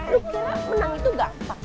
lu menang itu gampang